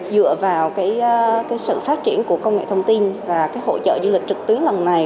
dựa vào cái sự phát triển của công nghệ thông tin và cái hội trợ du lịch trực tuyến lần này